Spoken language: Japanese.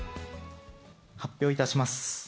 発表いたします。